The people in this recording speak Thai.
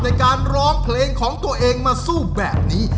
ในการร้องเพลงของตัวเองมาสู้แบบนี้